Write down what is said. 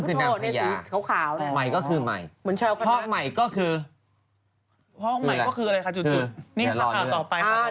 คือนางพญามัยก็คือมัยพ่อมัยก็คือคืออะไร